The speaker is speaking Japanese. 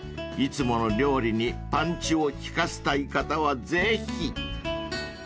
［いつもの料理にパンチを利かせたい方はぜひ］